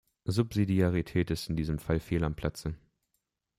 Subsidiarität ist in diesem Fall fehl am Platze.